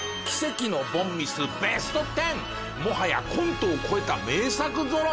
もはやコントを超えた名作ぞろい！